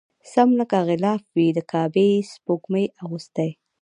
سم لکه غلاف وي د کعبې سپوږمۍ اغوستی